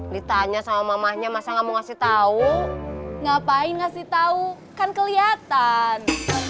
ditanya sama mamanya masa kamu ngasih tahu ngapain ngasih tahu kan kelihatan